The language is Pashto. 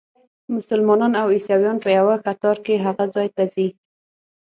مسلمانان او عیسویان په یوه کتار کې هغه ځای ته ځي.